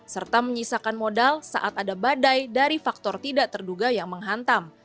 serta menyisakan modal saat ada badai dari faktor tidak terduga yang menghantam